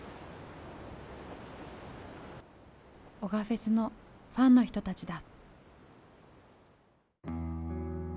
男鹿フェスのファンの人たちだ。